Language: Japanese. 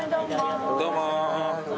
どうも。